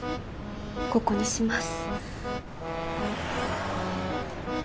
ここにします。